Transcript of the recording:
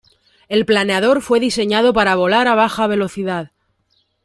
El planeador fue diseñado para volar a baja velocidad.